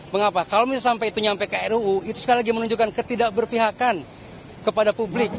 mengapa kalau misalnya sampai itu nyampe ke ruu itu sekali lagi menunjukkan ketidakberpihakan kepada publik